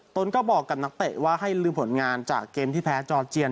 ตนก็บอกกับนักเตะว่าให้ลืมผลงานจากเกมที่แพ้จอเจียน